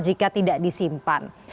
jika tidak disimpan